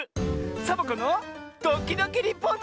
「サボ子のドキドキリポート」